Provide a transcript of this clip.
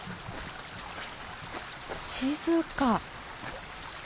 静か。